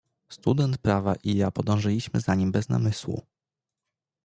"Student prawa i ja podążyliśmy za nim bez namysłu."